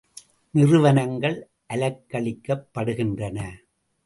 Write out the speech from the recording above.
நிறுவனங்கள் அலைக்கழிக்கப் படுகின்றன.